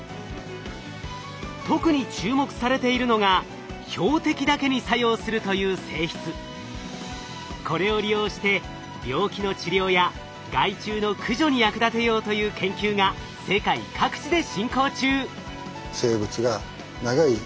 特に注目されているのがこれを利用して病気の治療や害虫の駆除に役立てようという研究が世界各地で進行中。